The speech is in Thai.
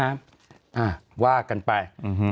อ่าว่ากันไป